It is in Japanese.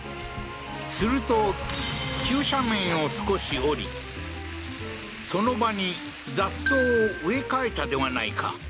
すると、急斜面を少し下り、その場に雑草を植え替えたではないか。